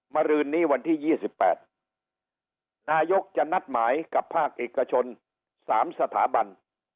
มารื่นนี้วันที่ยี่สิบแปดนายกจะนัดหมายกับภาคเอกชนสามสถาบัน